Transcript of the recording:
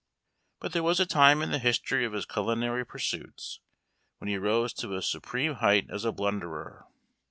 But there was a time in the history of his culinary pursuits when he rose to a supreme height as a blunderer.